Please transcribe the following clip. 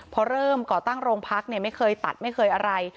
พอเริ่มก่อตั้งโรงพักเนี่ยไม่เคยตัดไม่เคยอะไร